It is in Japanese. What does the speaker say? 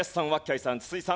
いさん筒井さん